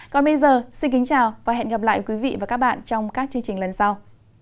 còn bây giờ xin kính chào và hẹn gặp lại quý vị và các bạn trong các chương trình lần sau